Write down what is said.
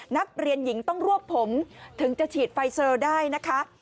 นักเรียนหญิงต้องรวบผมถึงจะฉีดไฟเซอร์ได้นะคะ